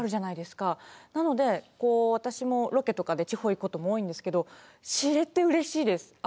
なので私もロケとかで地方行くことも多いんですけど知れてうれしいです。